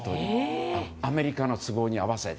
アメリカの都合に合わせて。